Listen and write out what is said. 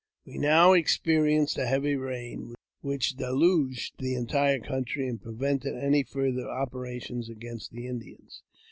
We now experienced a heavy rain, which deluged the entire country, and prevented any farther operations against the Indians.